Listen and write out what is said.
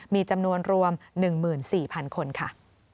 มีจำนวนรวม๑๔๐๐๐คนค่ะ